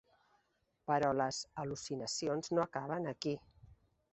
Però les al·lucinacions no acaben aquí.